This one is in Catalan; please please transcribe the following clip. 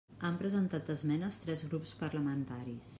Han presentat esmenes tres grups parlamentaris.